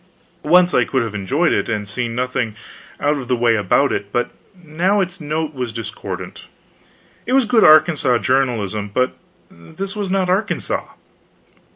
Once I could have enjoyed it and seen nothing out of the way about it, but now its note was discordant. It was good Arkansas journalism, but this was not Arkansas.